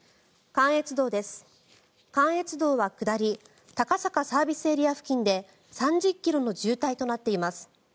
関越道は下り高坂ＳＡ付近で３０ｋｍの渋滞となっています。